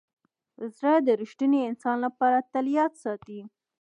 زړه د ریښتیني انسان لپاره تل یاد ساتي.